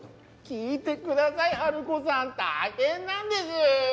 聞いてくださいハルコさん大変なんです。